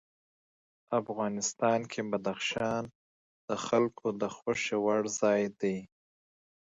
افغانستان کې بدخشان د خلکو د خوښې وړ ځای دی.